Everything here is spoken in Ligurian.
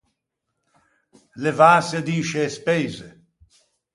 Levâse d’in scê speise.